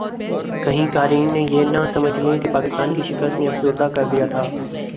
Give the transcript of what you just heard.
کہیں قارئین یہ نہ سمجھ لیں کہ پاکستان کی شکست نے افسردہ کردیا تھا